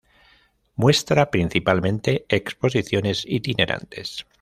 Muestra principalmente exposiciones itinerantes.